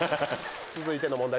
続いての問題